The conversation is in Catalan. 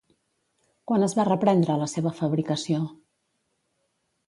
Quan es va reprendre la seva fabricació?